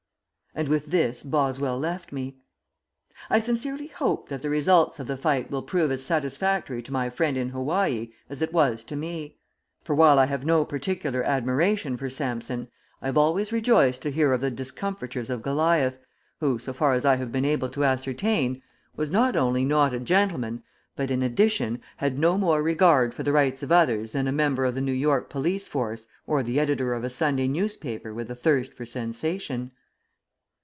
And with this Boswell left me. I sincerely hope that the result of the fight will prove as satisfactory to my friend in Hawaii as it was to me; for while I have no particular admiration for Samson, I have always rejoiced to hear of the discomfitures of Goliath, who, so far as I have been able to ascertain, was not only not a gentleman, but, in addition, had no more regard for the rights of others than a member of the New York police force or the editor of a Sunday newspaper with a thirst for sensation.